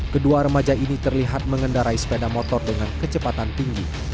kedua remaja ini terlihat mengendarai sepeda motor dengan kecepatan tinggi